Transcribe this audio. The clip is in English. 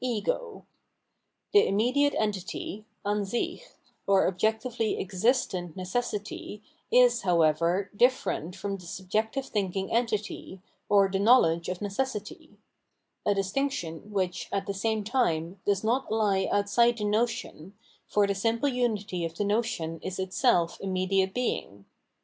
Ego. The immediate entity {Ansich), or objectively existent necessity, is, how ever, different from the subjective thinking entity, or the knowledge of necessity — a distinction which, at the same time, does not he outside the notion, for the simple unity of the notion is itself immediate being.